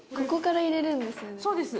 そうです。